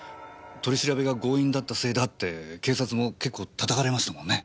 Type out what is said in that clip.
取り調べが強引だったせいだって警察も結構叩かれましたもんね。